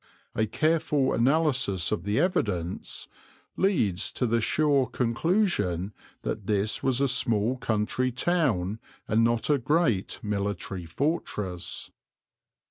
A careful analysis of the evidence leads to the sure conclusion that this was a small country town and not a great military fortress.